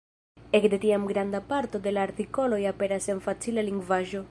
Ekde tiam granda parto de la artikoloj aperas en facila lingvaĵo.